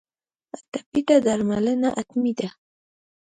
ټپي ته درملنه حتمي ده.